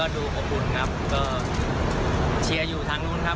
ทุกคนก็ดูขอบคุณครับก็เชียร์อยู่ทั้งนู้นครับ